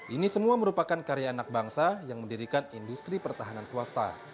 ini semua merupakan karya anak bangsa yang mendirikan industri pertahanan swasta